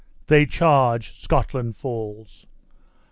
They charge Scotland falls!